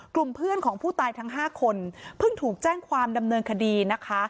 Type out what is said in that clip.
กลุ่มเพื่อนของผู้ตายทั้ง๕คนเพิ่งถูกแจ้งความดำเนินคดีนะคะ